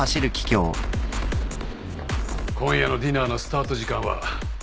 今夜のディナーのスタート時間は１９時です。